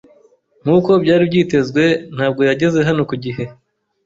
Nkuko byari byitezwe, ntabwo yageze hano ku gihe.